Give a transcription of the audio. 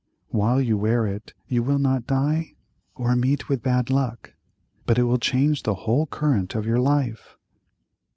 While you wear it you will not die or meet with bad luck, but it will change the whole current of your life."